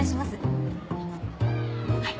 はい。